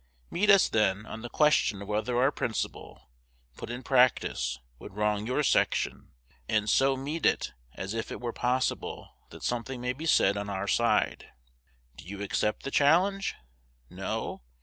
Meet us, then, on the question of whether our principle, put in practice, would wrong your section; and so meet it as if it were possible that something may be said on our side. Do you accept the challenge? No?